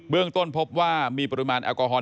เบื้องต้นพบว่ามีปริมาณแอลกอฮอล์